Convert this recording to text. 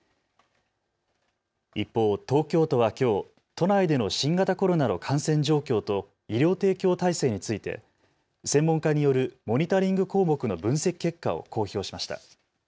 一方、東京都はきょう都内での新型コロナの感染状況と医療提供体制について専門家によるモニタリング項目の分析結果を公表しました。